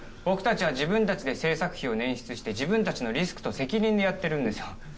僕たちは自分たちで製作費を捻出して自分たちのリスクと責任でやってるんですよ。